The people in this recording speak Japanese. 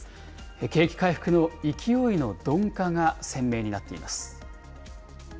景気回復の勢いの鈍化が鮮明になっています。